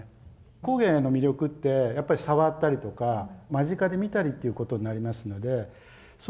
工芸の魅力ってやっぱり触ったりとか間近で見たりということになりますのでそう